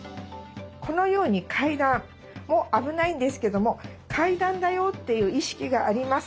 このように階段も危ないんですけども階段だよっていう意識がありますので。